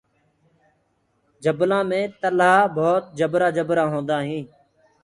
جبلآ مي تلآه ڀوت جبرآ جبرآ هوندآ هينٚ۔